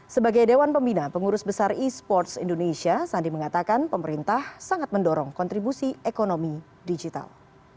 sebagai dewan pembina pengurus besar e sports indonesia sandi mengatakan pemerintah sangat mendorong kontribusi ekonomi digital